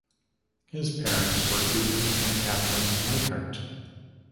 His parents were Hubert and Catherine Weikart.